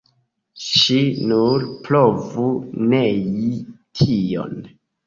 Ŝi nur provu nei tion!